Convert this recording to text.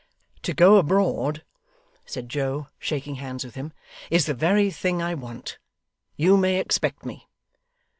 'To go abroad,' said Joe, shaking hands with him, 'is the very thing I want. You may expect me.